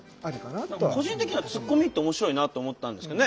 個人的にはツッコミって面白いなと思ったんですけどね。